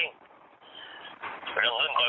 หรือเรื่องกวบหนักล่ะไว่